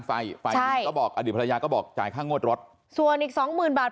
ไฟไฟก็บอกอดีตภัยาก็บอกจ่ายค่างวดรถส่วนอีกสองหมื่นบาท